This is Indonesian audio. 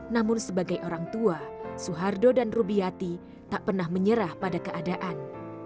namun sebagai orang tua suhardo dan rubiati tak pernah menyerah pada keadaan